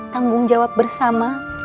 tanggung jawab bersama